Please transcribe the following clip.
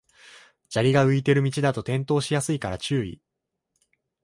砂利が浮いてる道だと転倒しやすいから注意